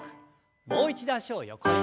もう一度脚を横に。